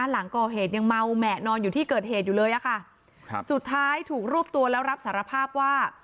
หลังก่อเหตุยังเมาแหมะนอนอยู่ที่เกิดเหตุอยู่เลยอะค่ะครับสุดท้ายถูกรวบตัวแล้วรับสารภาพว่า